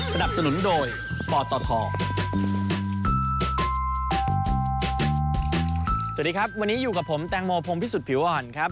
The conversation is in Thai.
สวัสดีครับวันนี้อยู่กับผมแตงโมพงพิสุทธิผิวอ่อนครับ